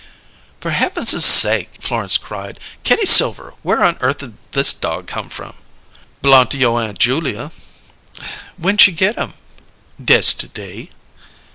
"For Heavenses' sakes!" Florence cried. "Kitty Silver, where on earth'd this dog come from?" "B'long you' Aunt Julia." "When'd she get him?" "Dess to day."